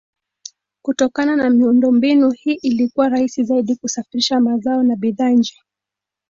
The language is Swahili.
Kutokana na miundombinu hii ilikuwa rahisi zaidi kusafirisha mazao na bidhaa nje.